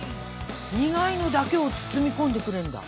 苦いのだけを包み込んでくれるんだ。